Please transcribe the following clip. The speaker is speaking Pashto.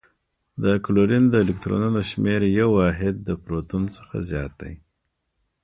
د کلورین د الکترونونو شمیر یو واحد د پروتون څخه زیات دی.